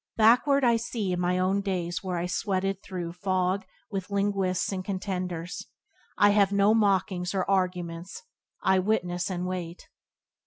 "Backward I see in my own days where I sweated through fog with linguists and contenders; I have no mockings or arguments, I witness and wait".